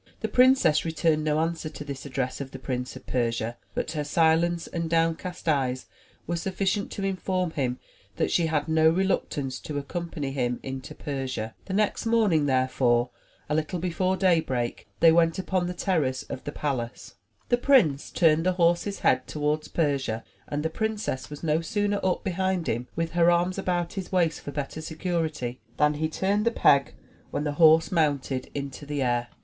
The princess returned no answer to this address of the Prince of Persia; but her silence and down cast eyes were sufficient to inform him that she had no reluctance to accompany him into Persia. The next morning, therefore, a little before daybreak, 46 THE TREASURE CHEST KM» MISMA they went upon the terrace of the palace. The prince turned the horse's head towards Persia, and the princess was no sooner up behind him with her arms about his waist for better security, than he turned the peg, when the horse mounted into the air.